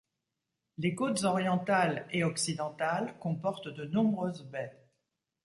Les côtes orientales et occidentales comportent de nombreuses baies.